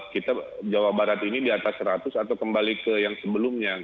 kita jawa barat ini di atas seratus atau kembali ke yang sebelumnya